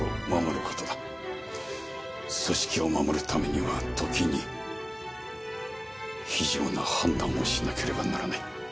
組織を守る為には時に非情な判断をしなければならない。